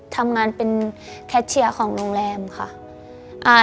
ทำงานเป็นแคทเชียร์ของโรงแรมค่ะ